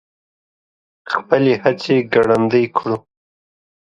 خپلې هڅې ګړندۍ کړو.